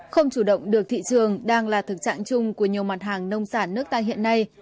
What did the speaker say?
không chủ động được thị trường đang là thực trạng chung của nhiều mặt hàng nông sản nước ta hiện nay